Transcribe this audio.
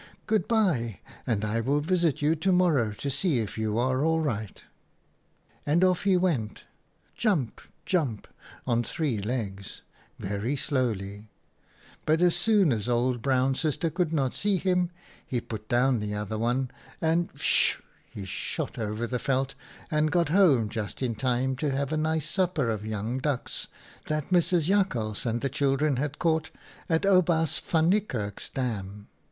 Good bye, and I will visit you to morrow to see if you are all right.' " And off he went — jump, jump, on three legs — very slowly ; but as soon as Old Brown Sister could not see him, he put down the other one and — sh h h h — he shot over the veld and got home just in time to have a nice supper of young ducks that Mrs. Jakhals and the children had caught at Oubaas van Niekerk's dam.